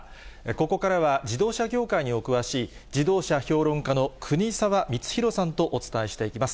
ここからは、自動車業界にお詳しい、自動車評論家の国沢光宏さんとお伝えしていきます。